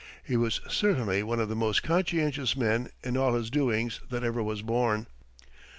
He was certainly one of the most conscientious men in all his doings that ever was born.